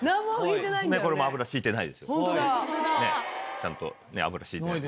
ちゃんと油引いてない。